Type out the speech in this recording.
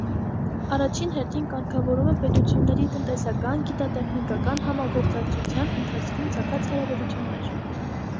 Առաջին հերթին կարգավորում է պետությունների տնտեսական, գիտատեխնիկական համագործակցության ընթացքում ծագած հարաբերություններ։